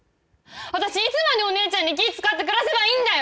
私いつまでお姉ちゃんに気ぃ使って暮らせばいいんだよ！